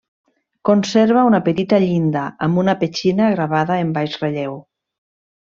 Conserva una petita llinda amb una petxina gravada en baix relleu.